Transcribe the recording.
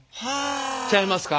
ちゃいますか？